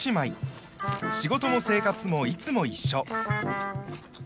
仕事も生活もいつも一緒。